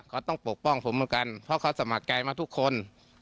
เขาต้องปกป้องผมเหมือนกันเพราะเขาสมัครใจมาทุกคน